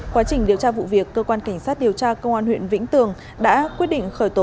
quá trình điều tra vụ việc cơ quan cảnh sát điều tra công an huyện vĩnh tường đã quyết định khởi tố